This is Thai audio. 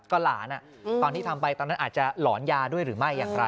ก็หลานตอนที่ทำไปตอนนั้นอาจจะหลอนยาด้วยหรือไม่อย่างไร